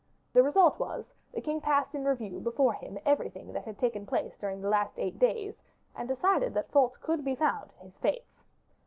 The result was, the king passed in review before him everything that had taken place during the last eight days, and decided that faults could be found in his fetes.